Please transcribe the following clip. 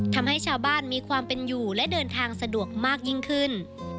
ทำให้ชาวบ้านมีความเป็นอยู่และเดินทางสะดวกมากยิ่งขึ้น